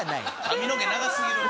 髪の毛長すぎる！